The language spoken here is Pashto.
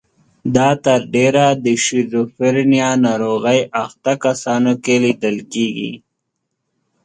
دا تر ډېره د شیزوفرنیا ناروغۍ اخته کسانو کې لیدل کیږي.